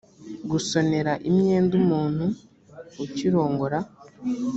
gusonera imyenda umuntu ukirongora